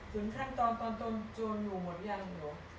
ปุ๋ย์คันตอนตอนตัวหนูมดยังหรอ